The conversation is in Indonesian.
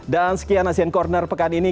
dan sekian asian corner pekan ini